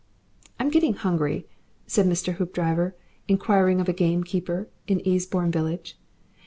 "I'm getting hungry," said Mr. Hoopdriver, inquiring of a gamekeeper in Easebourne village.